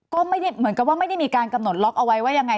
ก็ไม่ได้เหมือนกับว่าไม่ได้มีการกำหนดล็อกเอาไว้ว่ายังไง